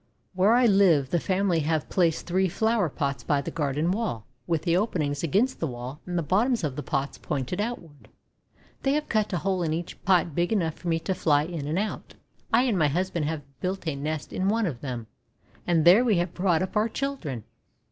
Where I live the family have placed three flower pots by the garden wall, with the openings against the wall and the bottoms of the pots pointed outward. They have cut a hole in each pot big enough for me to fly in and out. I and my husband have built a nest in one of them, and there we have brought up our children.